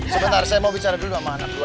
sebentar saya mau bicara dulu sama anak buah